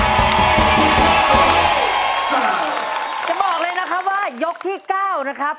จะบอกเลยนะครับว่ายกที่๙นะครับ